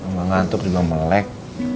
gak ngantuk juga melek